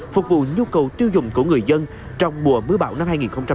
phục vụ nhu cầu tiêu dùng của người dân trong mùa mưa bão năm hai nghìn hai mươi